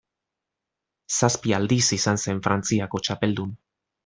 Zazpi aldiz izan zen Frantziako txapeldun.